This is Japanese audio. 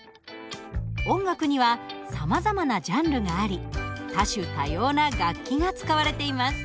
音楽にはさまざまなジャンルがあり多種多様な楽器が使われています。